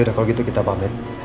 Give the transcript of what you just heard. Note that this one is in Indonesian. udah kalau gitu kita pamit